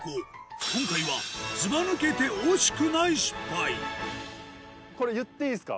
今回はずばぬけて惜しくない失敗これ言っていいですか？